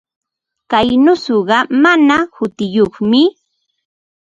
Kay muusuqa mana hutiyuqmi.